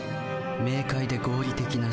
明快で合理的な思考。